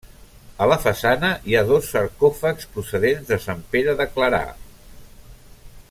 A la façana hi ha dos sarcòfags procedents de Sant Pere de Clarà.